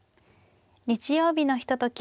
日曜日のひととき